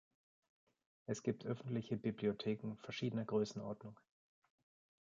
Es gibt öffentliche Bibliotheken verschiedener Größenordnung.